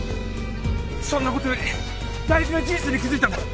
そんなことより大事な事実に気付いたんだ！